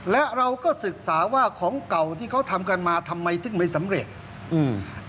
และเราก็ศึกษาว่าของเก่าที่เขาทำกันมาทำไมถึงไม่สำเร็จอืม